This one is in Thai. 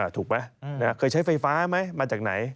ถูกไหมเคยใช้ไฟฟ้าไหมมาจากไหน